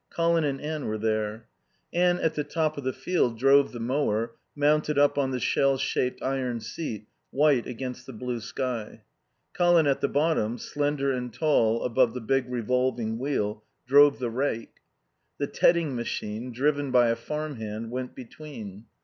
Colin and Anne were there. Anne at the top of the field drove the mower, mounted up on the shell shaped iron seat, white against the blue sky. Colin at the bottom, slender and tall above the big revolving wheel, drove the rake. The tedding machine, driven by a farm hand, went between.